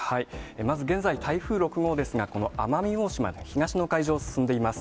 まず現在、台風６号ですが、この奄美大島の東の海上を進んでいます。